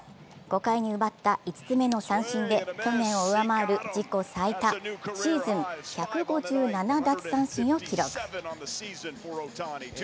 ５回に奪った５つ目の三振で去年を上回る、自己最多シーズン１５７奪三振を記録。